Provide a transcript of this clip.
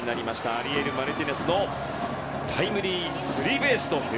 アリエル・マルティネスのタイムリースリーベース。